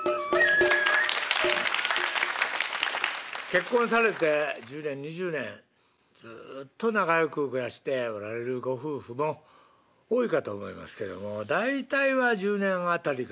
結婚されて１０年２０年ずっと仲良く暮らしておられるご夫婦も多いかと思いますけども大体は１０年辺りからですね